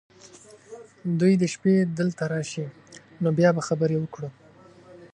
دوی دې شپې دلته راشي ، نو بیا به خبرې وکړو .